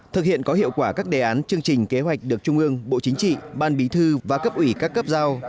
thực hiện có hiệu quả các đề án chương trình kế hoạch được trung ương bộ chính trị ban bí thư và cấp ủy các cấp giao